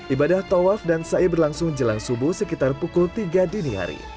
ibadah tawaf dan ⁇ ai berlangsung jelang subuh sekitar pukul tiga dini hari